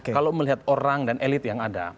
kalau melihat orang dan elit yang ada